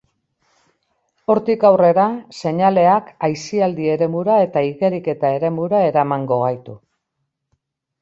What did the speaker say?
Hortik aurrera, seinaleak, aisialdi-eremura eta igeriketa-eremura eramango gaitu.